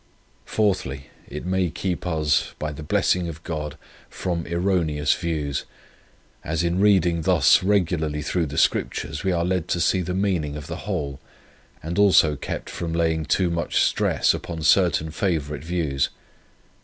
4, It may keep us, by the blessing of God, from erroneous views, as in reading thus regularly through the Scriptures we are led to see the meaning of the whole, and also kept from laying too much stress upon certain favourite views.